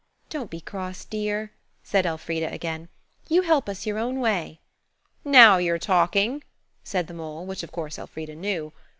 "Don't be cross, dear," said Elfrida again; "you help us your own way." "Now you're talking," said the mole, which, of course, Elfrida knew.